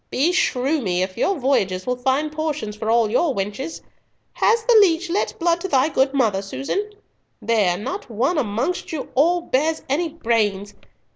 Beshrew me, if your voyages will find portions for all your wenches! Has the leech let blood to thy good mother, Susan? There! not one amongst you all bears any brains.